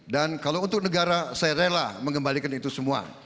dan kalau untuk negara saya rela mengembalikan itu semua